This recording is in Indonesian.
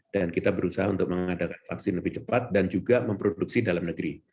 dan kita berusaha untuk mengadakan vaksin lebih cepat dan juga memproduksi dalam negeri